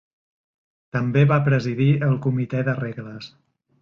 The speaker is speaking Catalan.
També va presidir el Comitè de Regles.